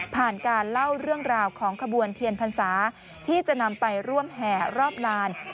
การเล่าเรื่องราวของขบวนเทียนพรรษาที่จะนำไปร่วมแห่รอบนาน